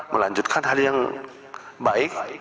melanjutkan hal yang baik